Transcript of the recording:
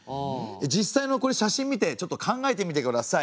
実際のこれ写真見てちょっと考えてみてください。